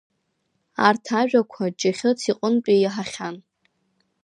Арҭ ажәақәа Ҷыӷьыц иҟынтәи иаҳахьан.